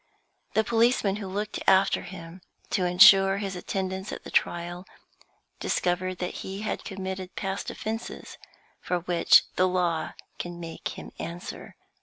The policeman who looked after him to insure his attendance at the trial discovered that he had committed past offenses, for which the law can make him answer.